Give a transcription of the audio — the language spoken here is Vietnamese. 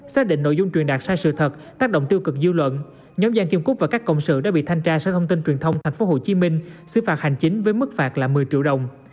xác định nội dung truyền đạt sai sự thật tác động tiêu cực dư luận nhóm giang kim cúc và các cộng sự đã bị thanh tra sở thông tin truyền thông tp hcm xử phạt hành chính với mức phạt là một mươi triệu đồng